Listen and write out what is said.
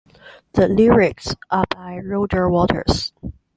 The lyrics are by Roger Waters.